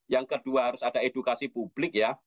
yang kedua harus ada edukasi publik ya